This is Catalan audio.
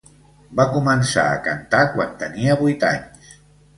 Va començar a cantar quan tenia vuit anys.